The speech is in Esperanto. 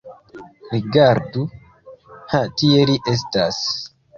Rigardu: ha tie li estas.